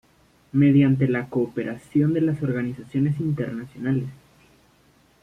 Mediante la cooperación de las organizaciones internacionales".